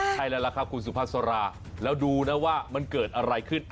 ใช่แล้วล่ะครับคุณสุภาษาราแล้วดูนะว่ามันเกิดอะไรขึ้น